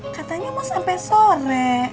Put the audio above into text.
katanya mau sampe sore